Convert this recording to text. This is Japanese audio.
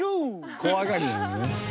怖がりなんだね。